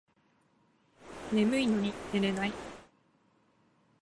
眠いのに寝れない